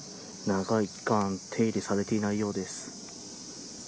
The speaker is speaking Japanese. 長い期間手入れがされていないようです。